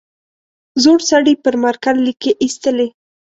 زوړ سړي پر مارکر ليکې ایستلې.